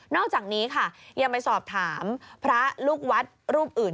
อกจากนี้ค่ะยังไปสอบถามพระลูกวัดรูปอื่น